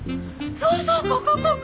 そうそうここここ！